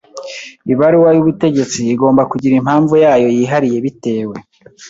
Ibaruwa y’ubutegetsi igomba kugira impamvu yayo yihariye bitewe.